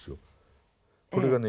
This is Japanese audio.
これがね